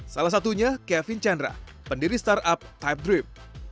salah satunya kevin chandra pendiri startup type drip